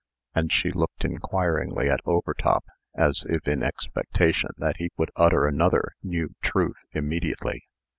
And she looked inquiringly at Overtop, as if in expectation that he would utter another new TRUTH immediately.